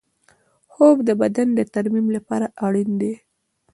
خوب د بدن د ترمیم لپاره اړین دی